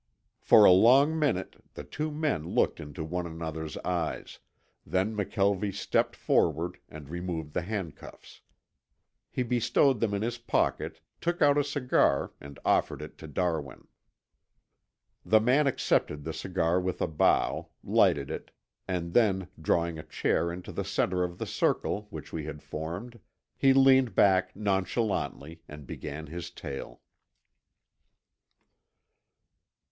For a long minute the two men looked into one another's eyes, then McKelvie stepped forward and removed the handcuffs. He bestowed them in his pocket, took out a cigar, and offered it to Darwin. The man accepted the cigar with a bow, lighted it, and then drawing a chair into the center of the circle which we had formed, he leaned back nonchalantly and began his tale.